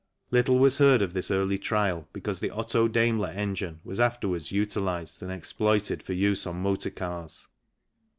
Little was heard of this early trial because the Otto Daimler engine was afterwards utilized and exploited for use on motor cars.